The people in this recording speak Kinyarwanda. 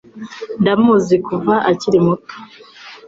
Ndamuzi kuva akiri muto.